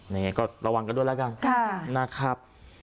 นี่ก็ระวังกันด้วยแล้วกันนะครับ